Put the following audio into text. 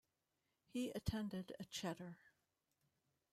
He attended a cheder.